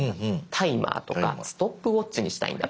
タイマーとかストップウォッチにしたいんだ。